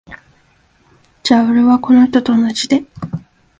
じゃ俺は、この人と同じで。